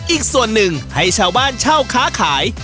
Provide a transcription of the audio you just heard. อีกส่วนหนึ่งให้ชาวบ้านเช่าค้าขาย